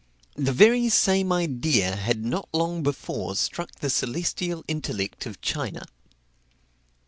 The very same idea had not long before struck the celestial intellect of China.